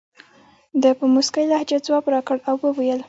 ده په موسکۍ لهجه ځواب راکړ او وویل.